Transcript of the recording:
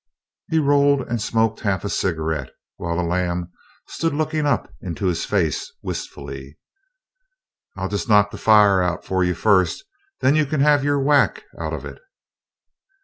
He rolled and smoked half a cigarette while the lamb stood looking up into his face wistfully. "I'll jest knock the fire out fer you first, then you kin have your whack out of it."